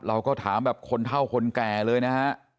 เราก็ถามแบบคนเท่าคนแก่เลยนะฮะ